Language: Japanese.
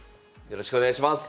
よろしくお願いします。